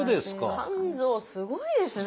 肝臓すごいですね！